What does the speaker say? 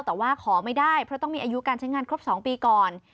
แต่ว่าขอไม่ได้เพราะต้องมีอายุการใช้งานครบ๒ปีก่อน